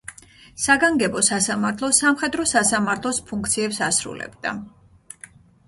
საგანგებო სასამართლო სამხედრო სასამართლოს ფუნქციებს ასრულებდა.